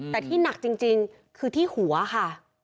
แต่ที่หนักจริงคือที่หัวค่ะ